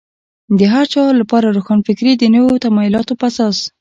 د هر چا لپاره روښانفکري د نویو تمایلاتو په اساس.